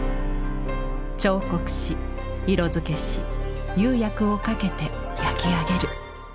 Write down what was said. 彫刻し色づけし釉薬をかけて焼き上げる。